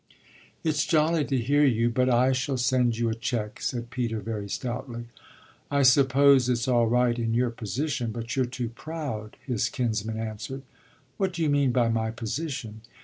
"It's jolly to hear you, but I shall send you a cheque," said Peter very stoutly. "I suppose it's all right in your position, but you're too proud," his kinsman answered. "What do you mean by my position?"